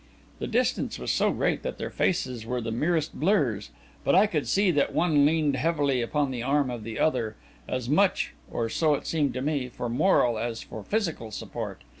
The distance was so great that their faces were the merest blurs; but I could see that one leaned heavily upon the arm of the other, as much, or so it seemed to me, for moral as for physical support.